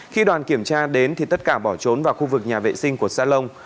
khi đoàn kiểm tra đến thì tất cả bỏ trốn vào khu vực nhà vệ sinh của salon